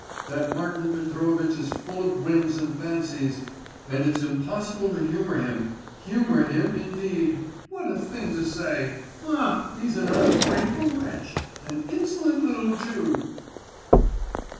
that Martin Petrovitch is full of whims and fancies, and it's impossible to humour him! Humour him, indeed! What a thing to say! Ah, he's an ungrateful wretch! An insolent little Jew!